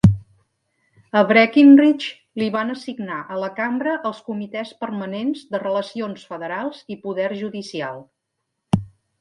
A Breckinridge li van assignar a la Cambra els comitès permanents de Relacions Federals i Poder Judicial.